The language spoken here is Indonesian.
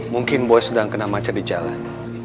mungkin boy sedang kena macet di jalan